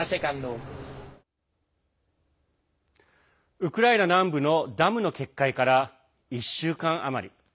ウクライナ南部のダムの決壊から１週間余り。